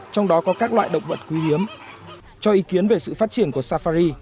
trong đó có các loại động vật quý hiếm cho ý kiến về sự phát triển của safari